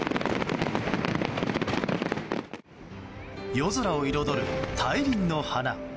夜空を彩る大輪の花。